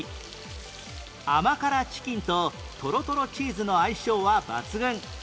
甘辛チキンとトロトロチーズの相性は抜群